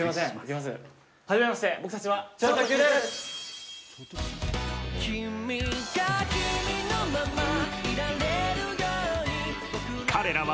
初めまして、僕たちは。